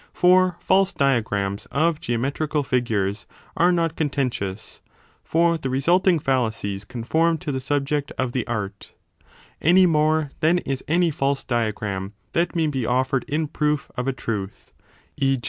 For false diagrams of geometrical figures are not conten tious (for the resulting fallacies conform to the subject of the art) any more than is any false diagram that may be 15 offered in proof of a truth e.